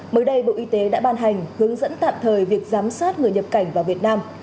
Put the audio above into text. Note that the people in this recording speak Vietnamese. mới đây bộ y tế đã ban hành hướng dẫn tạm thời việc giám sát người nhập cảnh vào việt nam